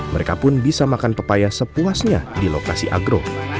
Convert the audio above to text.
mereka pun bisa makan pepaya sepuasnya di lokasi agro